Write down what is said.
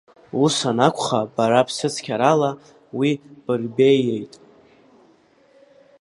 Ус анакәха бара ԥсыцқьарала уи бырбеиеит.